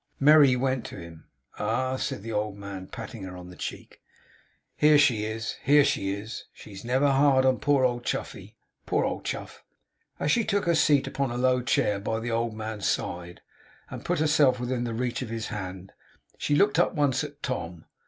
Merry went to him. 'Ah!' said the old man, patting her on the check. 'Here she is. Here she is! She's never hard on poor old Chuffey. Poor old Chuff!' As she took her seat upon a low chair by the old man's side, and put herself within the reach of his hand, she looked up once at Tom.